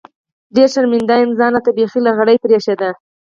ډېر شرمېدم ځان راته بيخي لغړ بريښېده.